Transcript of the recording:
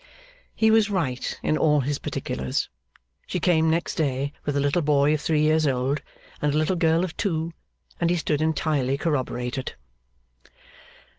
He was right in all his particulars. She came next day with a little boy of three years old, and a little girl of two, and he stood entirely corroborated.